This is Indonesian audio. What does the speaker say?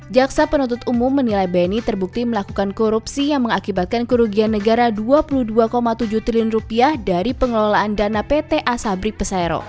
jaksa penuntut umum menilai beni terbukti melakukan korupsi yang mengakibatkan kerugian negara rp dua puluh dua tujuh triliun dari pengelolaan dana pt asabri pesero